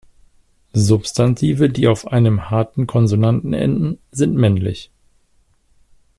Substantive, die auf einem harten Konsonanten enden, sind männlich.